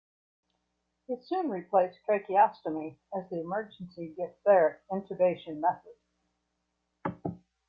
It soon replaced tracheostomy as the emergency diphtheric intubation method.